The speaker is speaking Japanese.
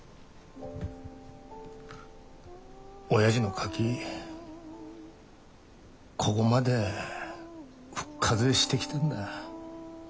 おやじのカキこごまで復活してきたんだ。